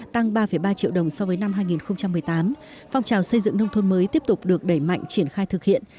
tăng ba ba triệu đồng so với năm hai nghìn một mươi tám phong trào xây dựng nông thôn mới tiếp tục được đẩy mạnh triển khai thực hiện